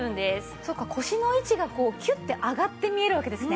そうか腰の位置がキュッて上がって見えるわけですね。